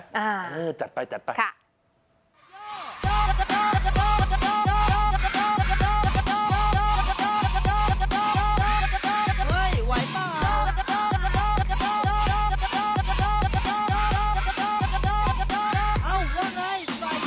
อ่าจัดไปจัดไปค่ะเออจัดไป